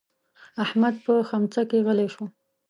احمد په ښمڅه کې غلی شو.